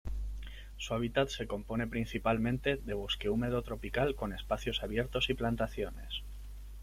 Su hábitat se compone principalmente de bosque húmedo tropical con espacios abiertos y plantaciones.